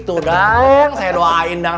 tuh dang saya doain dang